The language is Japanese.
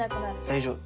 大丈夫。